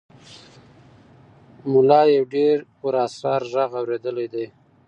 ملا یو ډېر پراسرار غږ اورېدلی دی.